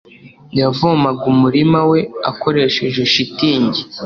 Yavomaga umurima we akoresheje shitingi.